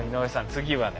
次はね